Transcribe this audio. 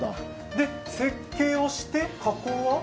設計をして加工は？